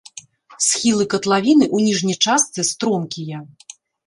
Схілы катлавіны ў ніжняй частцы стромкія.